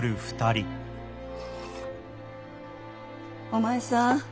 お前さん